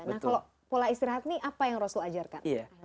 nah kalau pola istirahat ini apa yang rasul ajarkan